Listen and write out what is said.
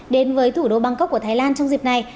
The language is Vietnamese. đến với thủ đô bangkok của thái lan trong dịp này